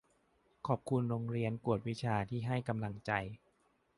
ขอบคุณโรงเรียนกวดวิชาที่ให้กำลังใจ